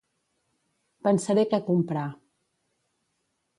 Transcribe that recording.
Pensaré què comprar.